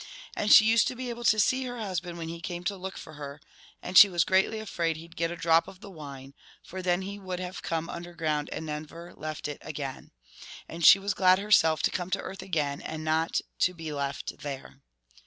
And she used to be able to see her husband when he came to look for her, and she was greatly afraid he 'd get a drop of the wine, for then he would have come underground and never left it again. And she was glad herself to come to earth again, and not to be left there.'